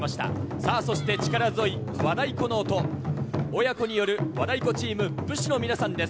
さあ、そして力強い和太鼓の音、親子による和太鼓チーム、武志の皆さんです。